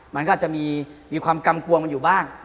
มันก็จะมีความกลั้มกลัวอยู่บ้าง